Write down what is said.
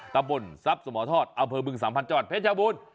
ตำบลทรัพย์สมทรอดเอาเพลิงบึง๓๐๐๐บาทเจ้าหวัดเพชรชาบุญ